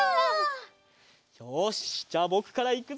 よしじゃあぼくからいくぞ！